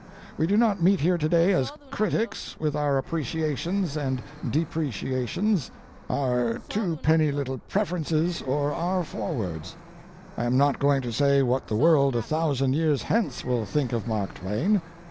We do not meet here to day as critics with our appreciations and depreciations, our twopenny little prefaces or our forewords. I am not going to say what the world a thousand years hence will think of Mark Twain.